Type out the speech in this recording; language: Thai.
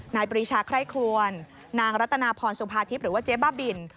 ปรีชาไคร่ครวนนางรัตนาพรสุภาทิพย์หรือว่าเจ๊บ้าบิน